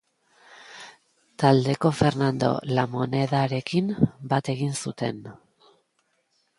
Taldeko Fernando Lamonedarekin bat egin zuten.